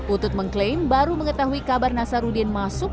utut mengklaim baru mengetahui kabar nasaruddin masuk